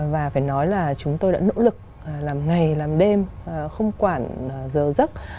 và phải nói là chúng tôi đã nỗ lực làm ngày làm đêm không quản giờ giấc